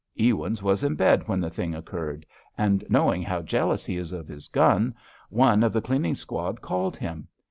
Ewins was in bed when the thing occurred, and, knowing how jealous he is of his gun, one of the cleaning squad called him.